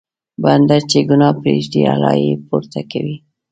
بنده چې ګناه پرېږدي، الله یې پورته کوي.